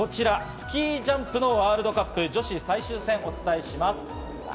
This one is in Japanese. スキージャンプワールドカップ女子最終戦をお伝えします。